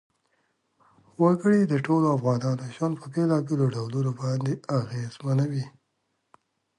وګړي د ټولو افغانانو ژوند په بېلابېلو ډولونو باندې اغېزمنوي.